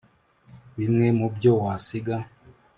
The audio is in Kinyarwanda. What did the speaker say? Bimwe mu byo wasiga